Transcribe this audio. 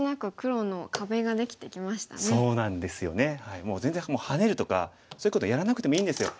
もう全然ハネるとかそういうことやらなくてもいいんですよ。